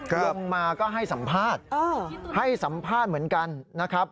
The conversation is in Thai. ลงมาก็ให้สัมภาษณ์ให้สัมภาษณ์เหมือนกันนะครับ